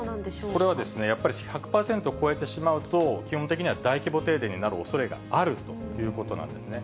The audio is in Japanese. これはやっぱり１００％を超えてしまうと、基本的には大規模停電になるおそれがあるということなんですね。